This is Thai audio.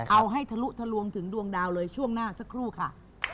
เอาให้ทะลุทะลวงถึงดวงดาวเลยช่วงหน้าสักครู่ค่ะ